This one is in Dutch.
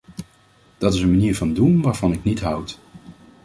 Dat is een manier van doen waarvan ik niet houd.